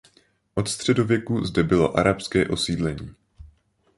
Od středověku zde bylo arabské osídlení.